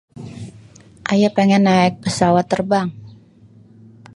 Ayè pengen naèk pesawat terbang